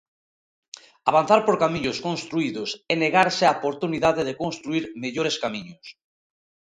Avanzar por camiños construídos é negarse a oportunidade de construír mellores camiños.